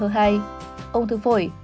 ung thư phổi